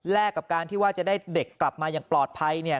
กับการที่ว่าจะได้เด็กกลับมาอย่างปลอดภัยเนี่ย